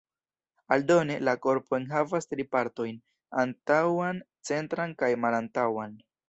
Aldone, la korpo enhavas tri partojn: antaŭan, centran kaj malantaŭan.